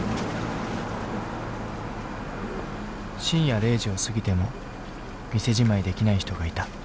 深夜０時を過ぎても店じまいできない人がいた。